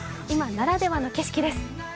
今ならではの景色です。